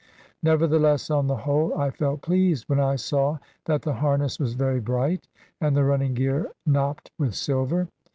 Nevertheless, on the whole, I felt pleased, when I saw that the harness was very bright, and the running gear knopped with silver.